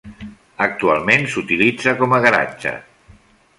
Actualment s'utilitza com a garatge.